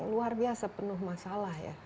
luar biasa penuh masalah ya